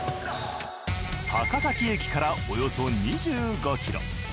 高崎駅からおよそ２５ｋｍ。